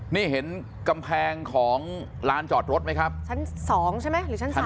นี่เห็นกำแพงของลานจอดรถไหมครับชั้น๒ใช่ไหมหรือชั้นสาม